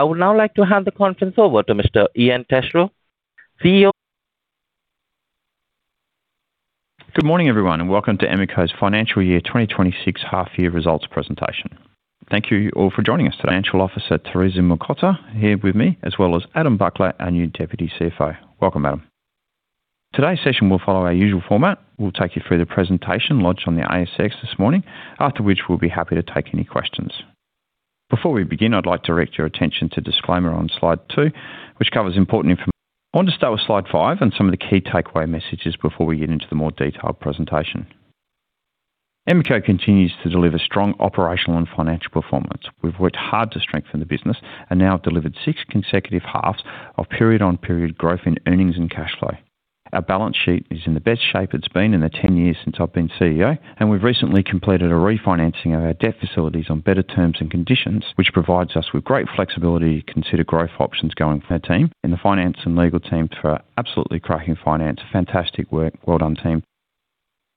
I would now like to hand the conference over to Mr. Ian Testrow, CEO. Good morning, everyone, and welcome to Emeco's Financial Year 2026 Half Year Results Presentation. Thank you all for joining us today. Financial Officer, Theresa Mlikota, here with me, as well as Adam Buckler, our new Deputy CFO. Welcome, Adam. Today's session will follow our usual format. We'll take you through the presentation launched on the ASX this morning, after which we'll be happy to take any questions. Before we begin, I'd like to direct your attention to disclaimer on Slide 2, which covers important informa- I want to start with Slide 5 and some of the key takeaway messages before we get into the more detailed presentation. Emeco continues to deliver strong operational and financial performance. We've worked hard to strengthen the business and now have delivered 6 consecutive halves of period-on-period growth in earnings and cash flow. Our balance sheet is in the best shape it's been in the ten years since I've been CEO, and we've recently completed a refinancing of our debt facilities on better terms and conditions, which provides us with great flexibility to consider growth options going for our team and the finance and legal team for absolutely cracking finance. Fantastic work. Well done, team.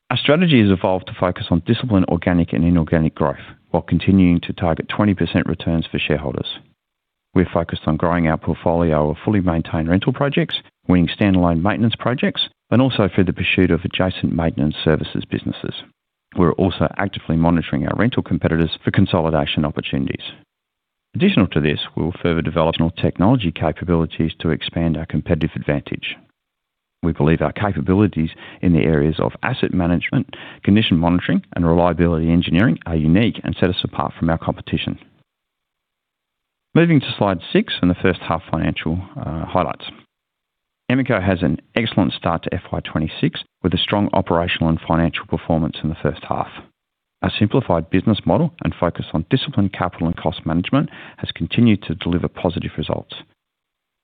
Our strategy has evolved to focus on disciplined, organic and inorganic growth while continuing to target 20% returns for shareholders. We're focused on growing our portfolio of fully maintained rental projects, winning standalone maintenance projects, and also through the pursuit of adjacent maintenance services businesses. We're also actively monitoring our rental competitors for consolidation opportunities. Additional to this, we'll further develop technology capabilities to expand our competitive advantage. We believe our capabilities in the areas of asset management, condition monitoring and reliability engineering are unique and set us apart from our competition. Moving to Slide 6 and the first half financial highlights. Emeco has an excellent start to FY 2026, with a strong operational and financial performance in the first half. Our simplified business model and focus on disciplined capital and cost management has continued to deliver positive results.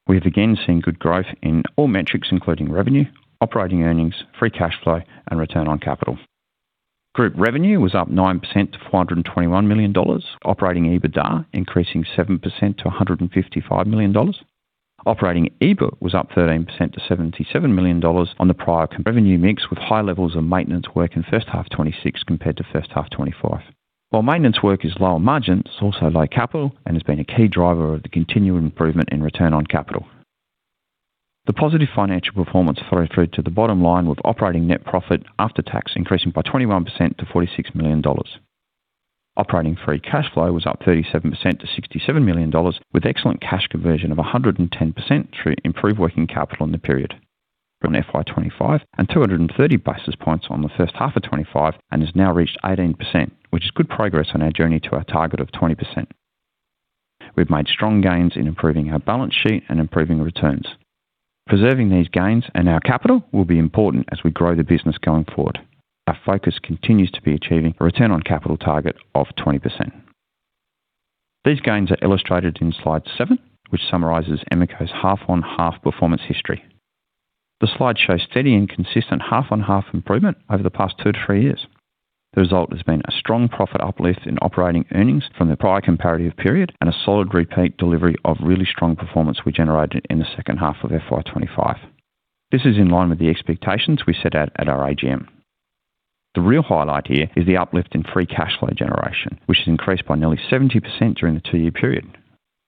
We have again seen good growth in all metrics, including revenue, operating earnings, free cash flow and return on capital. Group revenue was up 9% to 421 million dollars. Operating EBITDA increasing 7% to 155 million dollars. Operating EBIT was up 13% to 77 million dollars on the prior- Revenue mix with high levels of maintenance work in first half 2026 compared to first half 2025. While maintenance work is low on margins, it's also low capital and has been a key driver of the continuing improvement in return on capital. The positive financial performance flow through to the bottom line, with operating net profit after tax increasing by 21% to 46 million dollars. Operating free cash flow was up 37% to 67 million dollars, with excellent cash conversion of 110% through improved working capital in the period. From FY 2025 and 230 basis points on the first half of 2025, and has now reached 18%, which is good progress on our journey to our target of 20%. We've made strong gains in improving our balance sheet and improving returns. Preserving these gains and our capital will be important as we grow the business going forward. Our focus continues to be achieving a return on capital target of 20%. These gains are illustrated in Slide 7, which summarizes Emeco's half-on-half performance history. The slide shows steady and consistent half-on-half improvement over the past two to three years. The result has been a strong profit uplift in operating earnings from the prior comparative period and a solid repeat delivery of really strong performance we generated in the second half of FY 2025. This is in line with the expectations we set out at our AGM. The real highlight here is the uplift in free cash flow generation, which has increased by nearly 70% during the two-year period.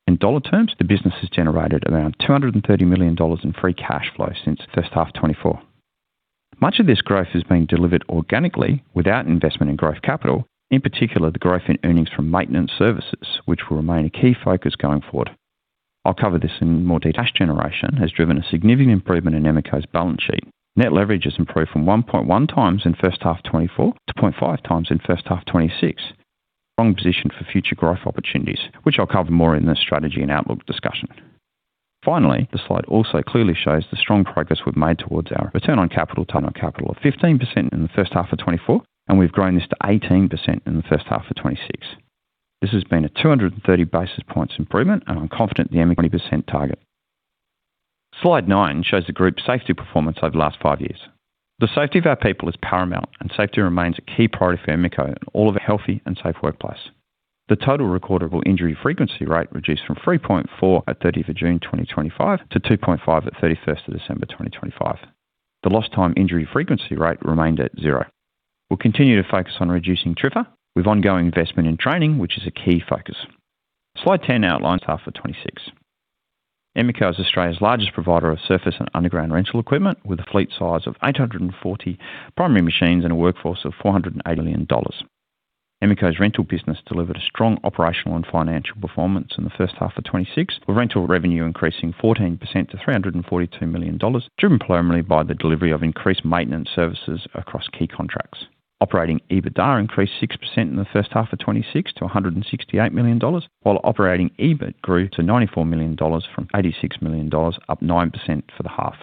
In dollar terms, the business has generated around 230 million dollars in free cash flow since the first half 2024. Much of this growth has been delivered organically, without investment in growth capital. In particular, the growth in earnings from maintenance services, which will remain a key focus going forward. I'll cover this in more detail. Cash generation has driven a significant improvement in Emeco's balance sheet. Net leverage has improved from 1.1x in first half 2024 to 0.5x in first half 2026. Strong position for future growth opportunities, which I'll cover more in the strategy and outlook discussion. Finally, the slide also clearly shows the strong progress we've made towards our return on capital—return on capital of 15% in the first half of 2024, and we've grown this to 18% in the first half of 2026. This has been a 230 basis points improvement, and I'm confident the Emeco 20% target. Slide 9 shows the group safety performance over the last five years. The safety of our people is paramount, and safety remains a key priority for Emeco and all of our healthy and safe workplace. The total recordable injury frequency rate reduced from 3.4 at 30th of June 2025, to 2.5 at 31st of December 2025. The lost time injury frequency rate remained at 0. We'll continue to focus on reducing TRIFR with ongoing investment in training, which is a key focus. Slide 10 outlines half of 2026. Emeco is Australia's largest provider of surface and underground rental equipment, with a fleet size of 840 primary machines and a workforce of 480 million dollars. Emeco's rental business delivered a strong operational and financial performance in the first half of 2026, with rental revenue increasing 14% to 342 million dollars, driven primarily by the delivery of increased maintenance services across key contracts. Operating EBITDA increased 6% in the first half of 2026 to 168 million dollars, while operating EBIT grew to 94 million dollars from 86 million dollars, up 9% for the half.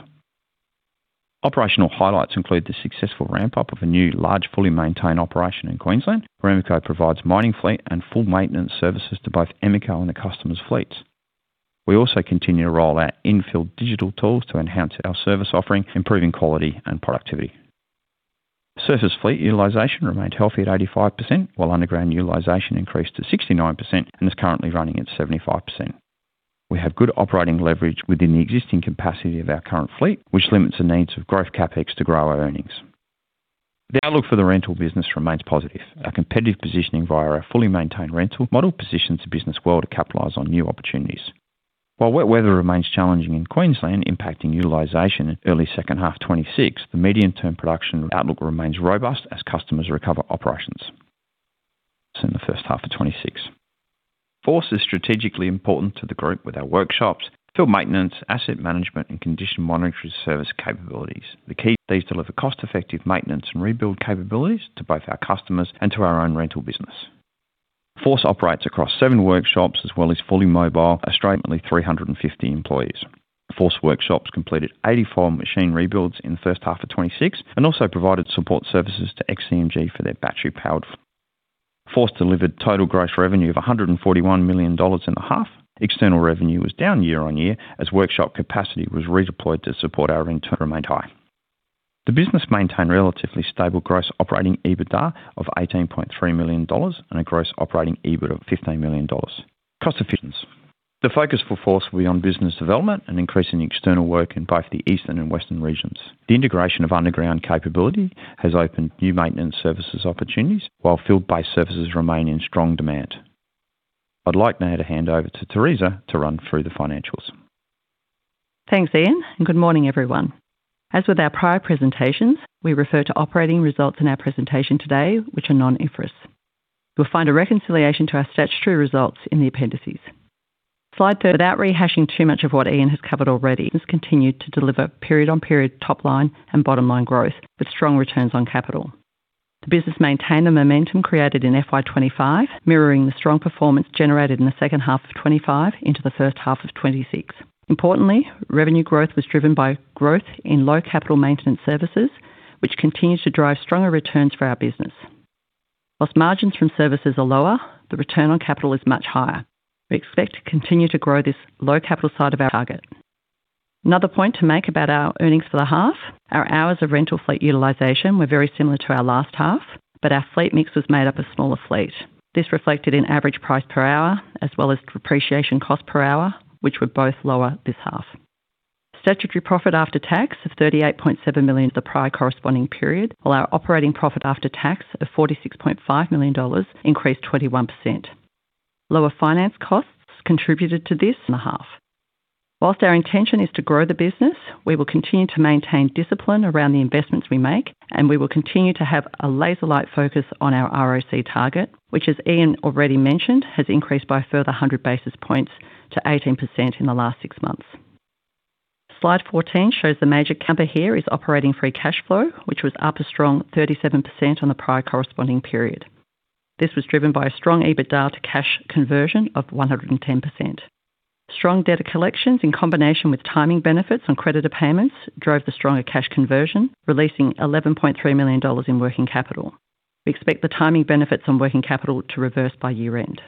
Operational highlights include the successful ramp-up of a new large, fully maintained operation in Queensland, where Emeco provides mining fleet and full maintenance services to both Emeco and the customer's fleets. We also continue to roll out in-field digital tools to enhance our service offering, improving quality and productivity. Surface fleet utilization remained healthy at 85%, while underground utilization increased to 69% and is currently running at 75%. We have good operating leverage within the existing capacity of our current fleet, which limits the needs of growth CapEx to grow our earnings. The outlook for the rental business remains positive. Our competitive positioning via our fully maintained rental model positions the business well to capitalize on new opportunities. While wet weather remains challenging in Queensland, impacting utilization in early second half 2026, the medium-term production outlook remains robust as customers recover operations in the first half of 2026. Force is strategically important to the group with our workshops, field maintenance, asset management, and condition monitoring service capabilities. The key is to deliver cost-effective maintenance and rebuild capabilities to both our customers and to our own rental business. Force operates across seven workshops as well as fully mobile, Australians, 350 employees. Force workshops completed 84 machine rebuilds in the first half of 2026 and also provided support services to XCMG for their battery-powered. Force delivered total gross revenue of 141 million dollars in the half. External revenue was down year-on-year, as workshop capacity was redeployed to support our internal remained high. The business maintained relatively stable gross operating EBITDA of 18.3 million dollars and a gross operating EBIT of 15 million dollars. Cost efficiency. The focus for Force will be on business development and increasing external work in both the Eastern and Western regions. The integration of underground capability has opened new maintenance services opportunities, while field-based services remain in strong demand. I'd like now to hand over to Theresa to run through the financials. Thanks, Ian, and good morning, everyone. As with our prior presentations, we refer to operating results in our presentation today, which are non-IFRS. You'll find a reconciliation to our statutory results in the appendices. Slide 3, without rehashing too much of what Ian has covered already, has continued to deliver period-on-period top-line and bottom-line growth, with strong returns on capital. The business maintained the momentum created in FY 2025, mirroring the strong performance generated in the second half of 2025 into the first half of 2026. Importantly, revenue growth was driven by growth in low capital maintenance services, which continues to drive stronger returns for our business. While margins from services are lower, the return on capital is much higher. We expect to continue to grow this low capital side of our target. Another point to make about our earnings for the half, our hours of rental fleet utilization were very similar to our last half, but our fleet mix was made up of smaller fleet. This reflected in average price per hour as well as depreciation cost per hour, which were both lower this half. Statutory profit after tax of 38.7 million the prior corresponding period, while our operating profit after tax of 46.5 million dollars increased 21%. Lower finance costs contributed to this in the half. While our intention is to grow the business, we will continue to maintain discipline around the investments we make, and we will continue to have a laser-like focus on our ROC target, which, as Ian already mentioned, has increased by a further 100 basis points to 18% in the last six months. Slide 14 shows the major camper here is operating free cash flow, which was up a strong 37% on the prior corresponding period. This was driven by a strong EBITDA to cash conversion of 110%. Strong debt collections, in combination with timing benefits on creditor payments, drove the stronger cash conversion, releasing 11.3 million dollars in working capital. We expect the timing benefits on working capital to reverse by year-end.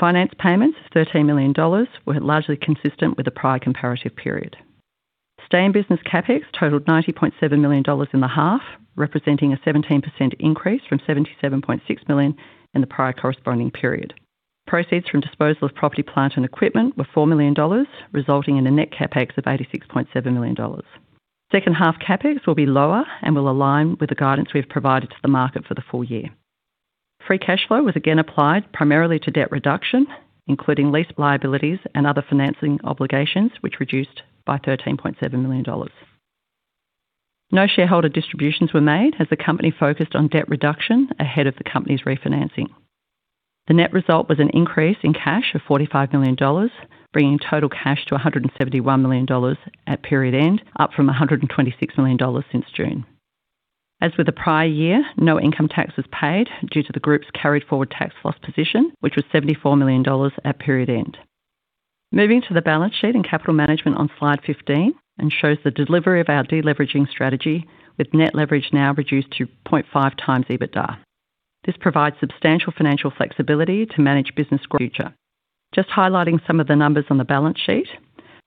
Finance payments, 13 million dollars, were largely consistent with the prior comparative period. Stay in business CapEx totaled 90.7 million dollars in the half, representing a 17% increase from 77.6 million in the prior corresponding period. Proceeds from disposal of property, plant, and equipment were 4 million dollars, resulting in a net CapEx of 86.7 million dollars. Second half CapEx will be lower and will align with the guidance we've provided to the market for the full year. Free cash flow was again applied primarily to debt reduction, including lease liabilities and other financing obligations, which reduced by 13.7 million dollars. No shareholder distributions were made as the company focused on debt reduction ahead of the company's refinancing. The net result was an increase in cash of 45 million dollars, bringing total cash to 171 million dollars at period end, up from 126 million dollars since June. As with the prior year, no income tax was paid due to the group's carried forward tax loss position, which was 74 million dollars at period end. Moving to the balance sheet and capital management on Slide 15, and shows the delivery of our de-leveraging strategy, with net leverage now reduced to 0.5x EBITDA. This provides substantial financial flexibility to manage business growth in the future. Just highlighting some of the numbers on the balance sheet.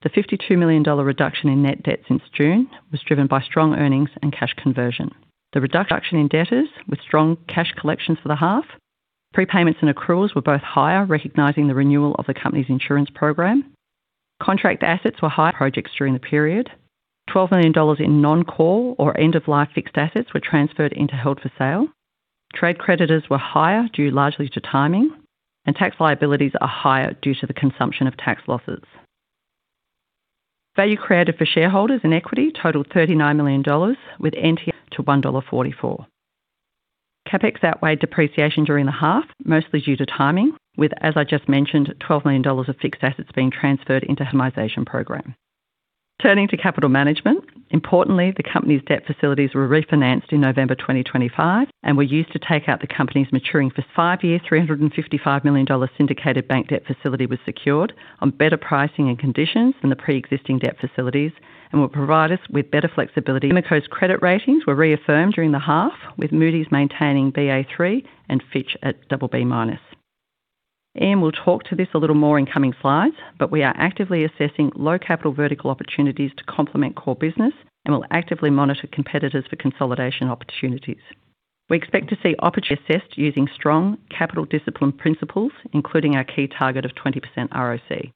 The 52 million dollar reduction in net debt since June was driven by strong earnings and cash conversion. The reduction in debtors with strong cash collections for the half. Prepayments and accruals were both higher, recognizing the renewal of the company's insurance program. Contract assets were high projects during the period. 12 million dollars in non-core or end-of-life fixed assets were transferred into held for sale. Trade creditors were higher due largely to timing, and tax liabilities are higher due to the consumption of tax losses. Value created for shareholders in equity totaled 39 million dollars, with NT to 1.44 dollar. CapEx outweighed depreciation during the half, mostly due to timing, with, as I just mentioned, 12 million dollars of fixed assets being transferred into monetization program. Turning to capital management. Importantly, the company's debt facilities were refinanced in November 2025 and were used to take out the company's maturing five-year, AUD 355 million syndicated bank debt facility was secured on better pricing and conditions than the pre-existing debt facilities and will provide us with better flexibility. Emeco's credit ratings were reaffirmed during the half, with Moody's maintaining Ba3 and Fitch at BB-. Ian will talk to this a little more in coming slides, but we are actively assessing low capital vertical opportunities to complement core business and will actively monitor competitors for consolidation opportunities. We expect to see opportunity assessed using strong capital discipline principles, including our key target of 20% ROC....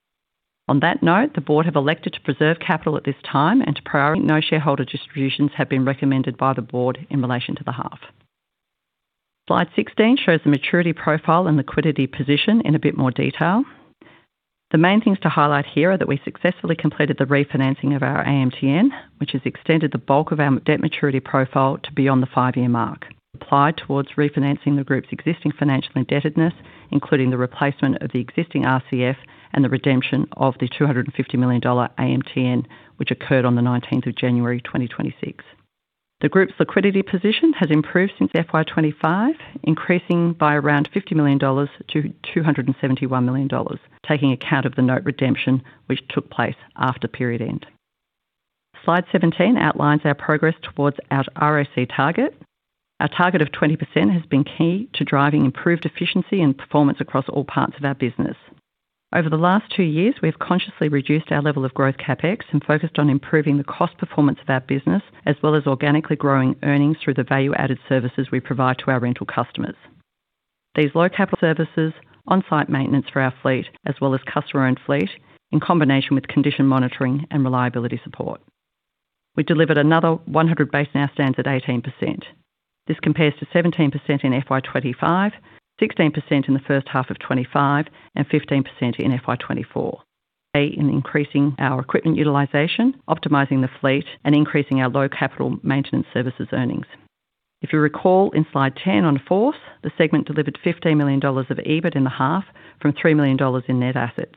On that note, the board have elected to preserve capital at this time and to priority no shareholder distributions have been recommended by the board in relation to the half. Slide 16 shows the maturity profile and liquidity position in a bit more detail. The main things to highlight here are that we successfully completed the refinancing of our AMTN, which has extended the bulk of our debt maturity profile to beyond the five-year mark. Applied towards refinancing the group's existing financial indebtedness, including the replacement of the existing RCF and the redemption of the 250 million dollar AMTN, which occurred on the 19th of January, 2026. The group's liquidity position has improved since FY 2025, increasing by around 50 million dollars to 271 million dollars, taking account of the note redemption, which took place after period end. Slide 17 outlines our progress towards our ROC target. Our target of 20% has been key to driving improved efficiency and performance across all parts of our business. Over the last two years, we have consciously reduced our level of growth CapEx and focused on improving the cost performance of our business, as well as organically growing earnings through the value-added services we provide to our rental customers. These low capital services, on-site maintenance for our fleet, as well as customer-owned fleet, in combination with condition monitoring and reliability support. We delivered another 100 basis points, and our ROC now stands at 18%. This compares to 17% in FY 2025, 16% in the first half of 2025, and 15% in FY 2024. In increasing our equipment utilization, optimizing the fleet, and increasing our low capital maintenance services earnings. If you recall, in Slide 10 on Force, the segment delivered 15 million dollars of EBIT in the half from 3 million dollars in net assets.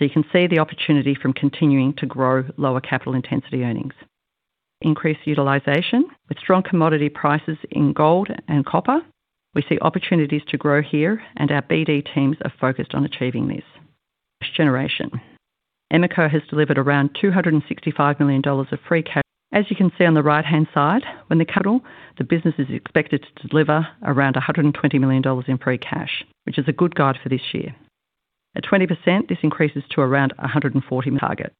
So you can see the opportunity from continuing to grow lower capital intensity earnings. Increased utilization. With strong commodity prices in gold and copper, we see opportunities to grow here, and our BD teams are focused on achieving this. Generation. Emeco has delivered around 265 million dollars of free cash. As you can see on the right-hand side, when the hurdle, the business is expected to deliver around 120 million dollars in free cash, which is a good guide for this year. At 20%, this increases to around 140 target.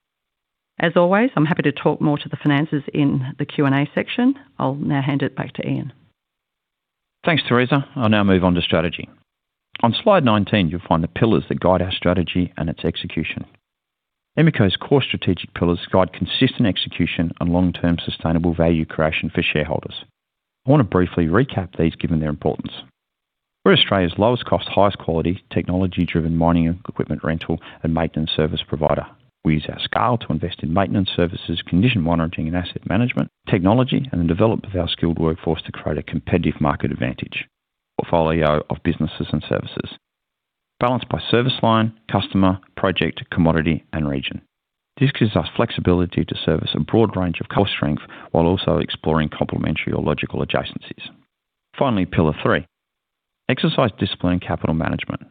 As always, I'm happy to talk more to the finances in the Q&A section. I'll now hand it back to Ian. Thanks, Theresa. I'll now move on to strategy. On Slide 19, you'll find the pillars that guide our strategy and its execution. Emeco's core strategic pillars guide consistent execution and long-term sustainable value creation for shareholders. I want to briefly recap these, given their importance. We're Australia's lowest cost, highest quality, technology-driven mining equipment rental and maintenance service provider. We use our scale to invest in maintenance services, condition monitoring and asset management, technology, and the development of our skilled workforce to create a competitive market advantage. Portfolio of businesses and services balanced by service line, customer, project, commodity, and region. This gives us flexibility to service a broad range of core strength while also exploring complementary or logical adjacencies. Finally, pillar three: Exercise discipline and capital management.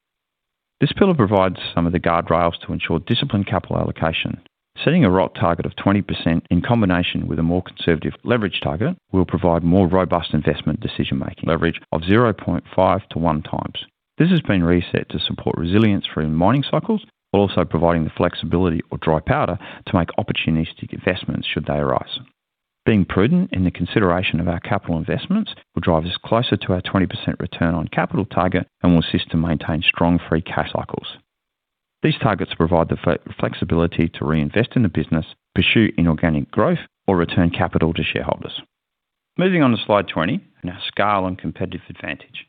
This pillar provides some of the guardrails to ensure disciplined capital allocation. Setting a ROC target of 20% in combination with a more conservative leverage target, will provide more robust investment decision-making. Leverage of 0.5-1 times. This has been reset to support resilience through mining cycles, while also providing the flexibility or dry powder to make opportunistic investments should they arise. Being prudent in the consideration of our capital investments will drive us closer to our 20% return on capital target and will assist to maintain strong free cash cycles. These targets provide the flexibility to reinvest in the business, pursue inorganic growth, or return capital to shareholders. Moving on to Slide 20, and our scale and competitive advantage.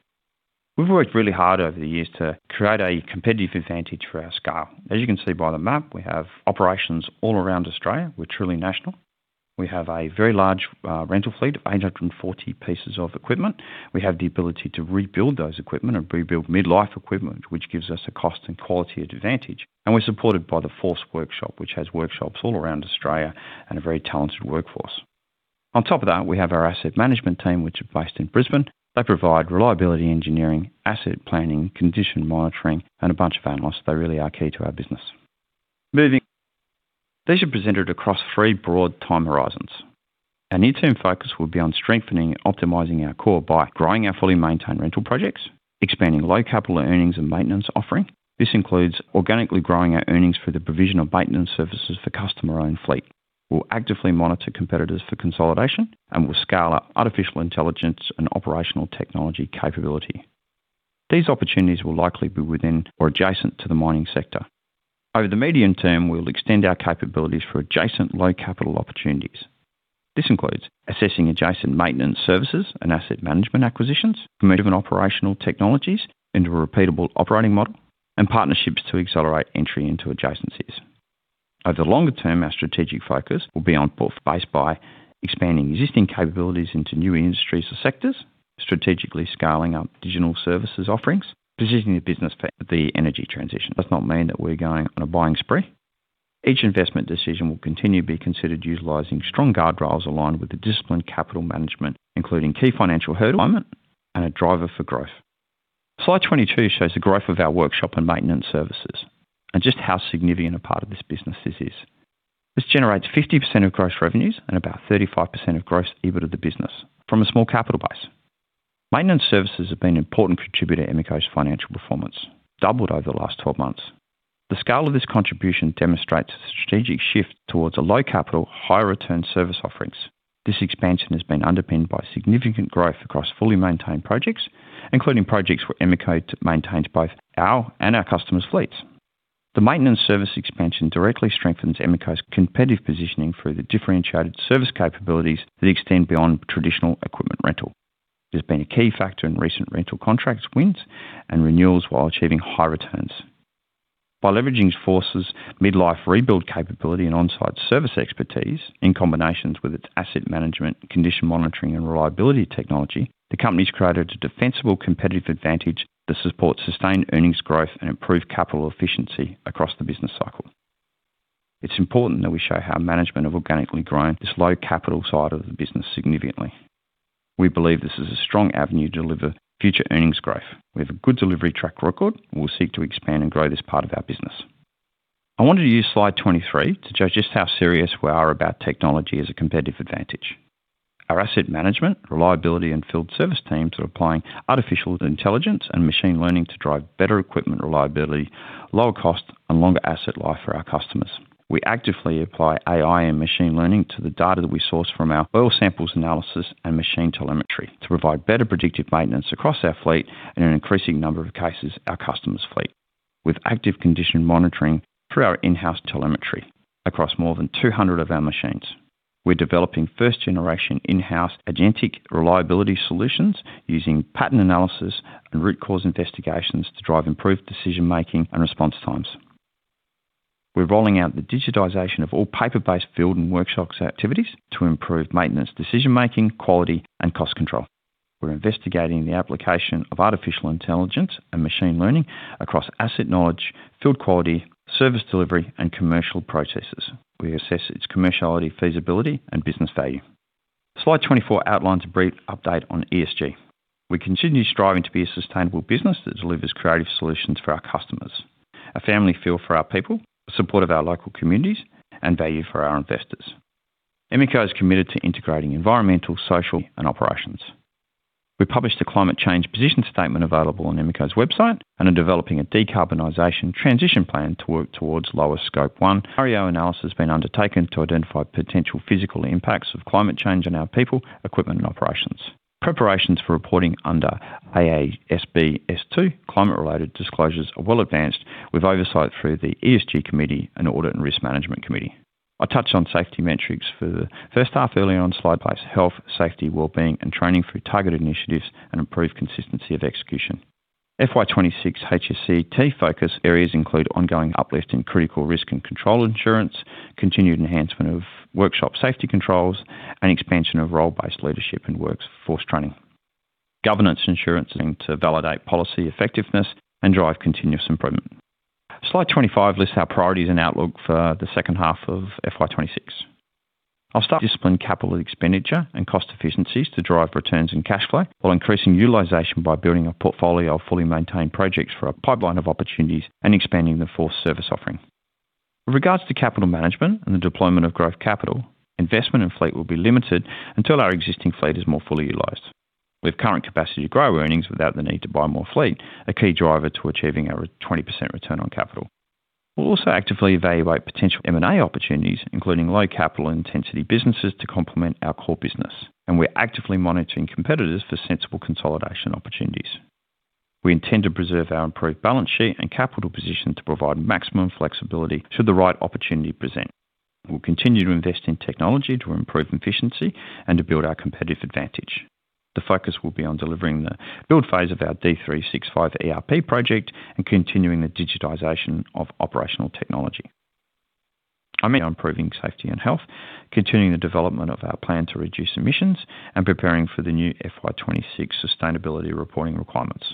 We've worked really hard over the years to create a competitive advantage for our scale. As you can see by the map, we have operations all around Australia. We're truly national. We have a very large rental fleet of 840 pieces of equipment. We have the ability to rebuild those equipment and rebuild mid-life equipment, which gives us a cost and quality advantage, and we're supported by the Force workshop, which has workshops all around Australia and a very talented workforce. On top of that, we have our asset management team, which are based in Brisbane. They provide reliability, engineering, asset planning, condition monitoring, and a bunch of analysts. They really are key to our business. Moving... These are presented across three broad time horizons. Our near-term focus will be on strengthening and optimizing our core by growing our fully maintained rental projects, expanding low capital earnings and maintenance offering. This includes organically growing our earnings through the provision of maintenance services for customer-owned fleet. We'll actively monitor competitors for consolidation, and we'll scale up artificial intelligence and operational technology capability. These opportunities will likely be within or adjacent to the mining sector. Over the medium term, we'll extend our capabilities for adjacent low capital opportunities. This includes assessing adjacent maintenance services and asset management acquisitions, improving operational technologies into a repeatable operating model, and partnerships to accelerate entry into adjacencies. Over the longer term, our strategic focus will be on both bases by expanding existing capabilities into new industries or sectors, strategically scaling up digital services offerings, positioning the business for the energy transition. It does not mean that we're going on a buying spree. Each investment decision will continue to be considered utilizing strong guardrails aligned with the disciplined capital management, including key financial hurdle, alignment, and a driver for growth. Slide 22 shows the growth of our workshop and maintenance services, and just how significant a part of this business this is. This generates 50% of gross revenues and about 35% of gross EBIT of the business from a small capital base. Maintenance services have been an important contributor to Emeco's financial performance, doubled over the last 12 months. The scale of this contribution demonstrates a strategic shift towards a low capital, high return service offerings. This expansion has been underpinned by significant growth across fully maintained projects, including projects where Emeco maintains both our and our customers' fleets. The maintenance service expansion directly strengthens Emeco's competitive positioning through the differentiated service capabilities that extend beyond traditional equipment rental. It's been a key factor in recent rental contracts, wins, and renewals while achieving high returns. By leveraging Force Equipment's mid-life rebuild capability and on-site service expertise in combination with its asset management, condition monitoring, and reliability technology, the company's created a defensible competitive advantage that supports sustained earnings growth and improved capital efficiency across the business cycle. It's important that we show how management have organically grown this low capital side of the business significantly. We believe this is a strong avenue to deliver future earnings growth. We have a good delivery track record, and we'll seek to expand and grow this part of our business. I wanted to use Slide 23 to show just how serious we are about technology as a competitive advantage. Our asset management, reliability, and field service teams are applying artificial intelligence and machine learning to drive better equipment reliability, lower cost, and longer asset life for our customers. We actively apply AI and machine learning to the data that we source from our oil samples analysis and machine telemetry to provide better predictive maintenance across our fleet, and in an increasing number of cases, our customers' fleet. With active condition monitoring through our in-house telemetry across more than 200 of our machines, we're developing first-generation in-house agentic reliability solutions using pattern analysis and root cause investigations to drive improved decision making and response times. We're rolling out the digitization of all paper-based field and workshops activities to improve maintenance, decision making, quality, and cost control. We're investigating the application of artificial intelligence and machine learning across asset knowledge, field quality, service delivery, and commercial processes. We assess its commerciality, feasibility, and business value. Slide 24 outlines a brief update on ESG. We continue striving to be a sustainable business that delivers creative solutions for our customers, a family feel for our people, support of our local communities, and value for our investors. Emeco is committed to integrating environmental, social, and operations. We published a climate change position statement available on Emeco's website and are developing a decarbonization transition plan to work towards lower Scope 1. ARIO analysis has been undertaken to identify potential physical impacts of climate change on our people, equipment, and operations. Preparations for reporting under AASB S2 climate-related disclosures are well advanced with oversight through the ESG committee and Audit and Risk Management Committee. I touched on safety metrics for the first half earlier on slide place, health, safety, wellbeing, and training through targeted initiatives and improved consistency of execution. FY 2026 HSCT focus areas include ongoing uplift in critical risk and control assurance, continued enhancement of workshop safety controls, and expansion of role-based leadership and workforce training. Governance, assurance, and to validate policy effectiveness and drive continuous improvement. Slide 25 lists our priorities and outlook for the second half of FY 2026. I'll start disciplined capital expenditure and cost efficiencies to drive returns and cash flow, while increasing utilization by building a portfolio of fully maintained projects for our pipeline of opportunities and expanding the full service offering. With regards to capital management and the deployment of growth capital, investment in fleet will be limited until our existing fleet is more fully utilized. With current capacity to grow earnings without the need to buy more fleet, a key driver to achieving our 20% return on capital. We'll also actively evaluate potential M&A opportunities, including low capital intensity businesses, to complement our core business, and we're actively monitoring competitors for sensible consolidation opportunities. We intend to preserve our improved balance sheet and capital position to provide maximum flexibility should the right opportunity present. We'll continue to invest in technology to improve efficiency and to build our competitive advantage. The focus will be on delivering the build phase of our D365 ERP project and continuing the digitization of operational technology. I mean, on improving safety and health, continuing the development of our plan to reduce emissions, and preparing for the new FY 2026 sustainability reporting requirements.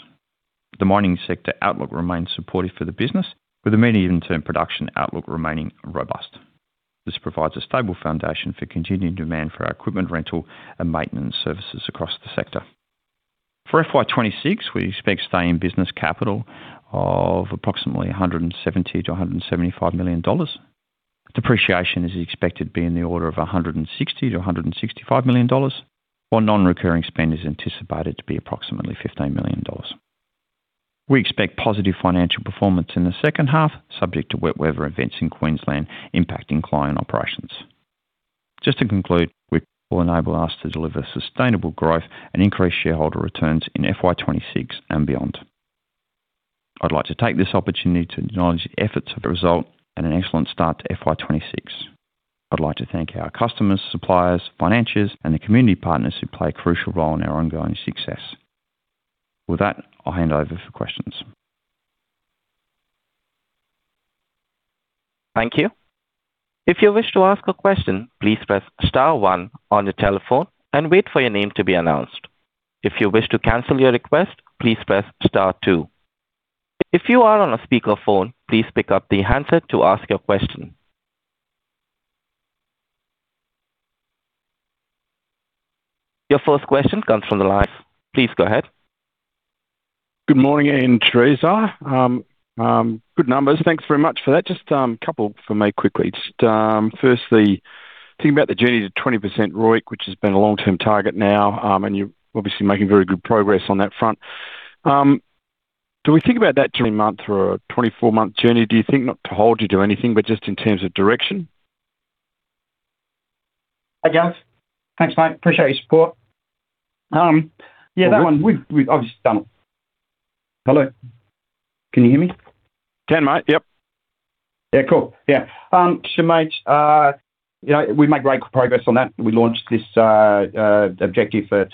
The mining sector outlook remains supportive for the business, with the medium-term production outlook remaining robust. This provides a stable foundation for continuing demand for our equipment rental and maintenance services across the sector. For FY 2026, we expect staying in business capital of approximately 170 million-175 million dollars. Depreciation is expected to be in the order of 160 million-165 million dollars, while non-recurring spend is anticipated to be approximately 15 million dollars. We expect positive financial performance in the second half, subject to wet weather events in Queensland impacting client operations. Just to conclude, we will enable us to deliver sustainable growth and increase shareholder returns in FY 2026 and beyond. I'd like to take this opportunity to acknowledge the efforts of the result and an excellent start to FY 2026. I'd like to thank our customers, suppliers, financiers, and the community partners who play a crucial role in our ongoing success. With that, I'll hand over for questions. Thank you. If you wish to ask a question, please press star one on your telephone and wait for your name to be announced. If you wish to cancel your request, please press star two. If you are on a speakerphone, please pick up the handset to ask your question. Your first question comes from the line. Please go ahead. Good morning, Ian, Theresa. Good numbers. Thanks very much for that. Just a couple for me quickly. Just firstly, thinking about the journey to 20% ROIC, which has been a long-term target now, and you're obviously making very good progress on that front. Do we think about that 3-month or a 24-month journey, do you think? Not to hold you to anything, but just in terms of direction. Hey, guys. Thanks, mate. Appreciate your support. Yeah, that one, we've obviously done it. Hello? Can you hear me? Can, mate. Yep. Yeah, cool. Yeah. Sure, mate, you know, we've made great progress on that. We launched this objective at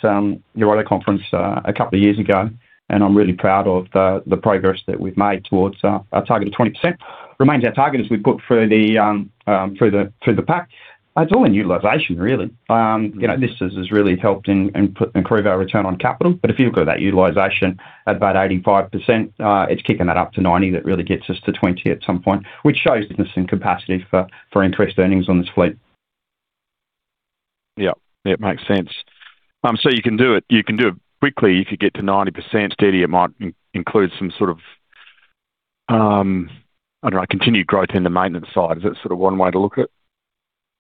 Euro conference a couple of years ago, and I'm really proud of the progress that we've made towards our target of 20%. Remains our target as we've put through the pack. It's all in utilization, really. You know, this has really helped in improve our return on capital, but if you look at that utilization at about 85%, it's kicking that up to 90, that really gets us to 20 at some point, which shows the missing capacity for interest earnings on this fleet. Yep, it makes sense. So you can do it, you can do it quickly if you get to 90% steady, it might include some sort of, I don't know, continued growth in the maintenance side. Is that sort of one way to look at it?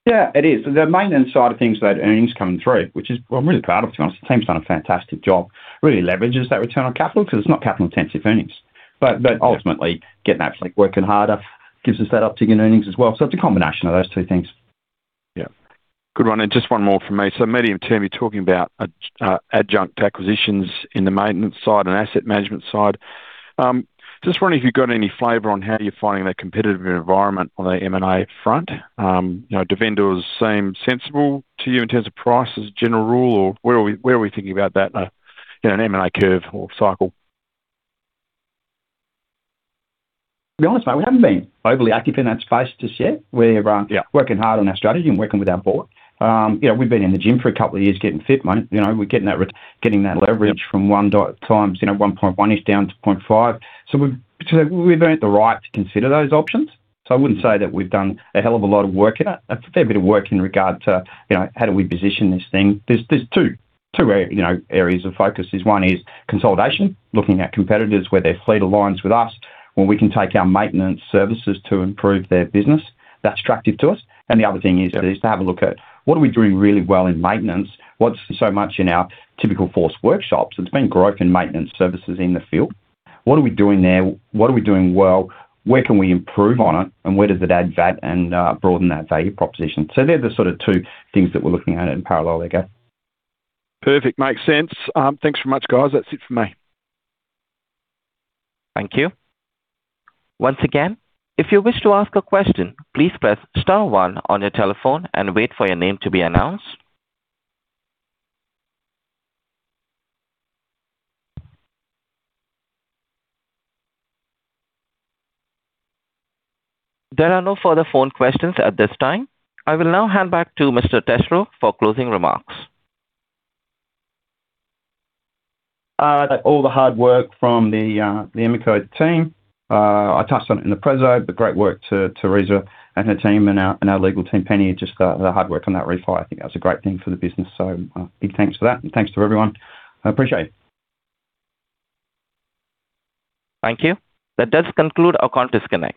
Yeah, it is. The maintenance side of things, that earnings coming through, which is what I'm really proud of, to be honest, the team's done a fantastic job. Really leverages that return on capital, 'cause it's not capital-intensive earnings. But ultimately, getting that fleet working harder gives us that uptick in earnings as well. So it's a combination of those two things. Yeah. Good one, and just one more from me. So medium term, you're talking about add-on acquisitions in the maintenance side and asset management side. Just wondering if you've got any flavor on how you're finding that competitive environment on the M&A front? You know, do vendors seem sensible to you in terms of price as a general rule, or where are we, where are we thinking about that in an M&A curve or cycle? To be honest, mate, we haven't been overly active in that space just yet. We're working hard on our strategy and working with our board. You know, we've been in the gym for a couple of years getting fit, mate. You know, we're getting that, getting that leverage from 1x, you know, 1.1-ish down to 0.5. So we've, we've earned the right to consider those options. So I wouldn't say that we've done a hell of a lot of work in it. A fair bit of work in regard to, you know, how do we position this thing? There's, there's two, two, you know, areas of focus. One is consolidation, looking at competitors, where their fleet aligns with us, where we can take our maintenance services to improve their business. That's attractive to us. The other thing is to have a look at what we are doing really well in maintenance? What's so much in our typical Force workshops? It's been growth in maintenance services in the field. What are we doing there? What are we doing well? Where can we improve on it? And where does it add value and broaden that value proposition? So they're the sort of two things that we're looking at in parallel, I guess. Perfect. Makes sense. Thanks very much, guys. That's it for me. Thank you. Once again, if you wish to ask a question, please press star one on your telephone and wait for your name to be announced. There are no further phone questions at this time. I will now hand back to Mr. Testrow for closing remarks. All the hard work from the Emeco team, I touched on it in the preso, the great work to Theresa and her team and our legal team, Penny, just the hard work on that refi. I think that's a great thing for the business. So, big thanks for that and thanks to everyone. I appreciate it. Thank you. That does conclude our conference connect.